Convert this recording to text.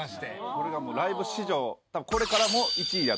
これがもうライブ史上。